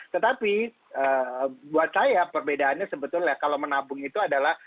tetapi buat saya perbedaannya sebetulnya kalau menabung itu adalah